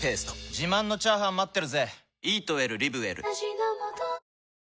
自慢のチャーハン待ってるぜ！